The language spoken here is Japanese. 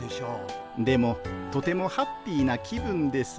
でもとてもハッピーな気分です。